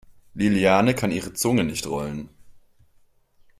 Liliane kann ihre Zunge nicht rollen.